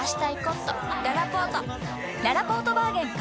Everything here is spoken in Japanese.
ららぽーとバーゲン開催！